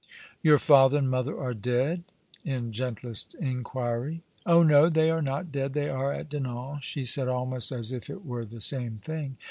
" Your father and mother are dead ?" in gentlest inquiry. "Oh no; they are not dead; they are at Dinan," she said, almost as if it were the same thing.